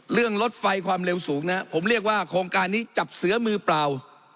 รถไฟความเร็วสูงนะผมเรียกว่าโครงการนี้จับเสือมือเปล่า